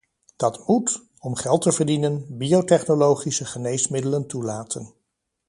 Dat moet, om geld te verdienen, biotechnologische geneesmiddelen toelaten.